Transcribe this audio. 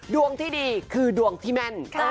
ดวงที่ดีคือดวงที่แม่น